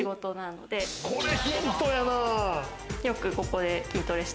これヒントやなぁ。